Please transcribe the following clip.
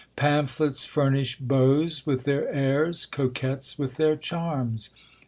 Pamphlets furnish beaus with their airs, coquettes with their charms.